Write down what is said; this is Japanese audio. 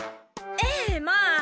ええまあ